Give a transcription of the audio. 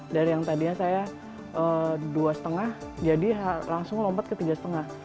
dari yang tadinya saya dua lima jadi langsung lompat ke tiga lima